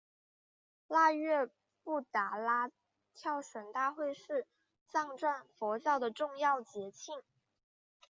腊月布拉达跳神大会是藏传佛教的重要节庆。